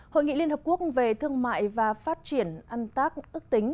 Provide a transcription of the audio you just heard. hội nghị liên hợp quốc về thương mại và phát triển an tác ước tính